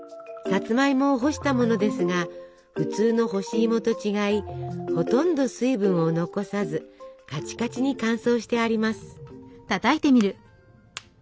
さつまいもを干したものですが普通の干し芋と違いほとんど水分を残さずカチカチに乾燥してあります。